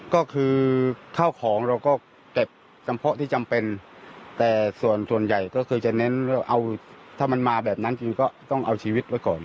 ก็คือข้าวของเราก็เก็บจำเพาะที่จำเป็นแต่ส่วนส่วนใหญ่ก็คือจะเน้นว่าเอาถ้ามันมาแบบนั้นจริงก็ต้องเอาชีวิตไว้ก่อน